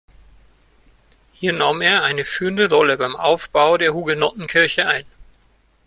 Hier nahm er eine führende Rolle beim Aufbau der Hugenottenkirche ein.